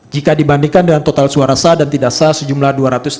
jika dibandingkan dengan total suara sah dan tidak sah sejumlah dua ratus enam puluh